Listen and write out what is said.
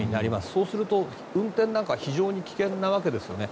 そうすると、運転なんかは非常に危険なわけですね。